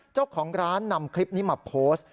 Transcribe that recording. เจ้าของร้านนำคลิปนี้มาโพสต์